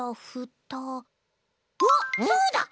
わっそうだ！